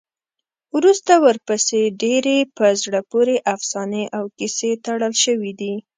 وروسته ورپسې ډېرې په زړه پورې افسانې او کیسې تړل شوي دي.